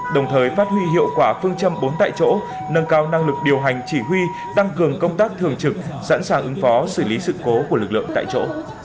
đồng thời phát huy hiệu quả phương châm bốn tại chỗ nâng cao năng lực điều hành chỉ huy tăng cường công tác thường trực sẵn sàng ứng phó xử lý sự cố của lực lượng tại chỗ